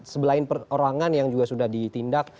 selain perorangan yang juga sudah ditindak